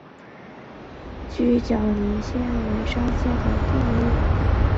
锯脚泥蟹为沙蟹科泥蟹属的动物。